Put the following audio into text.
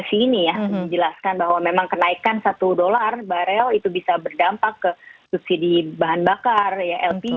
menjelaskan bahwa memang kenaikan satu dollar baril itu bisa berdampak ke subsidi bahan bakar lpg minyak tanah dan lain lain